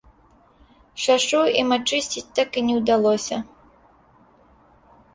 Шашу ім ачысціць так і не ўдалося.